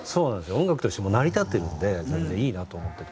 音楽としても成り立ってるんで全然いいなと思っていて。